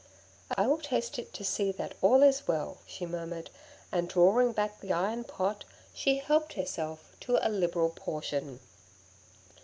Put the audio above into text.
'I will taste it to see that all is well,' she murmured, and drawing back the iron pot, she helped herself to a liberal portion.